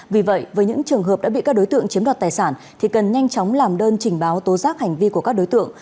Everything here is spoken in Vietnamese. vì vậy với những trường hợp đã bị các đối tượng chiếm đoạt tài sản thì cần nhanh chóng làm đơn trình báo tố giác hành vi của các đối tượng